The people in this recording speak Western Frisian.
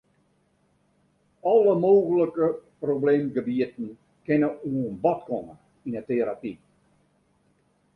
Alle mooglike probleemgebieten kinne oan bod komme yn 'e terapy.